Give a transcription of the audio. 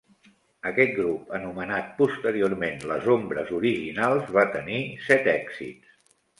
Aquest grup, anomenat posteriorment "les Ombres Originals", va tenir set èxits.